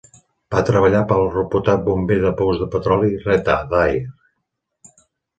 Va treballar per al reputat bomber de pous de petroli Red Adair.